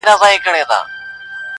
جهاني زه هم لکه شمع سوځېدل مي زده دي-